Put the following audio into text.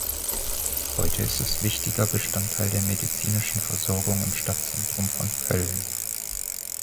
Heute ist es wichtiger Bestandteil der medizinischen Versorgung im Stadtzentrum von Köln.